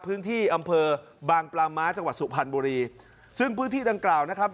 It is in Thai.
พื้นที่อำเภอบางปลาม้าจังหวัดสุพรรณบุรีซึ่งพื้นที่ดังกล่าวนะครับ